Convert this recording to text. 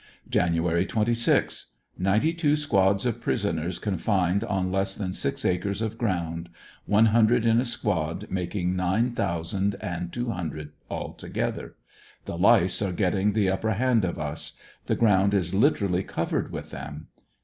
Jan. 26. — Ninety two squads of prisoners confined on less than six acres of ground — one hundred in a squad, making nine thous and and two hundred altogether. The lice are getting the upper hand of us. The ground is literally covered with them.